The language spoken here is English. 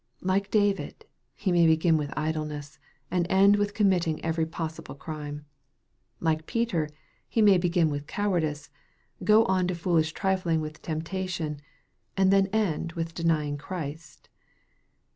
Like David, he may begin with idleness, and end with com mitting every possible crime. Like Peter, he may be gin with cowardice go on to foolish trifling with temp tation, and then end with denying Christ.